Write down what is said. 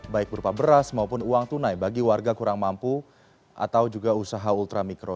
baik berupa beras maupun uang tunai bagi warga kurang mampu atau juga usaha ultramikro